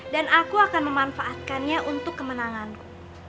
dan aku akan memanfaatkannya untuk kemenanganku